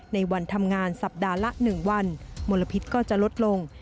ในวันทำงานสัปดาห์ละ๑วันมลพิษก็จะลดลง